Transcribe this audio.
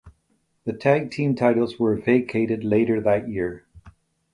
The tag team titles were vacated later that year.